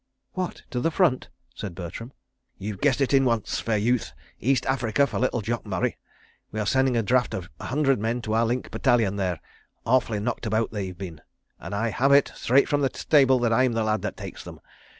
"What—to the Front?" said Bertram. "You've guessed it in once, fair youth. East Africa for little Jock Murray. We are sending a draft of a hundred men to our link battalion there—awfully knocked about they've been—and I have it, straight from the stable, that I'm the lad that takes them.